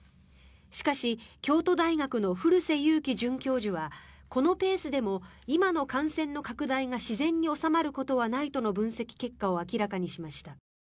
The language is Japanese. しかし京都大学の古瀬祐気准教授はこのペースでも今の感染の拡大が自然に収まることはないとの分析結果を明らかにしました。